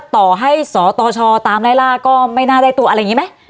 ต่อให้สตชตามไล่ล่าก็ไม่น่าได้ตัวอะไรอย่างนี้ไหม